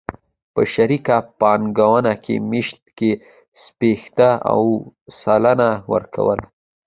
په شریکه پانګونه کې مېشت کس شپېته اووه سلنه ورکوله.